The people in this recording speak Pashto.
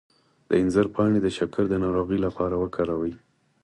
د انځر پاڼې د شکر د ناروغۍ لپاره وکاروئ